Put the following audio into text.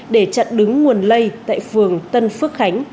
để chặn đứng nguồn lây tại phường tân phước khánh